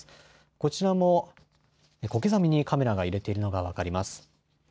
こちらも小刻みにカメラが揺れているのが分かります。